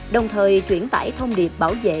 đồng thời chuyển tải thông điệp bảo vệ